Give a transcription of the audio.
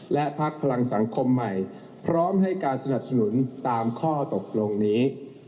และพักพลังสังคมใหม่พร้อมให้การสนับสนุนตามข้อตกลงนี้